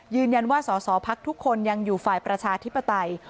ยืนยันว่าสอสอภักดิ์ทุกคนยังอยู่ฝ่ายประชาธิปไตย